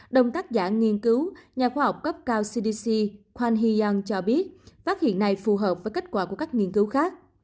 đồng tác giả nghiên cứu nhà khoa học cấp cao cdc khoan hiyan cho biết phát hiện này phù hợp với kết quả của các nghiên cứu khác